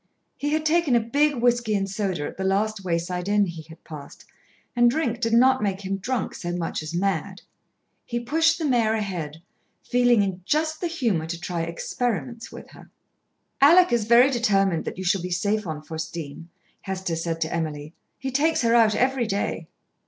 He had taken a big whiskey and soda at the last wayside inn he had passed, and drink did not make him drunk so much as mad. He pushed the mare ahead, feeling in just the humour to try experiments with her. "Alec is very determined that you shall be safe on Faustine," Hester said to Emily. "He takes her out every day."